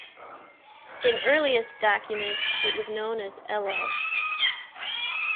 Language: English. In earliest documents, it was known as "Elhov".